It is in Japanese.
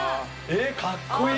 えっかっこいい！